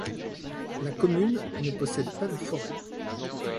La commune ne possède pas de forêt.